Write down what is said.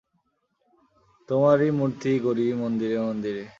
তোমারই মুরতি গড়ি মন্দিরে মন্দিরে।